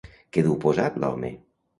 Què duu posat l'home?